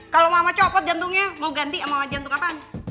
kalau mama copot jantungnya mau ganti sama jantung akan